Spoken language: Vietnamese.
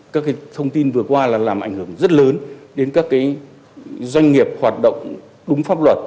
các thông tin vừa qua là làm ảnh hưởng rất lớn đến các doanh nghiệp hoạt động đúng pháp luật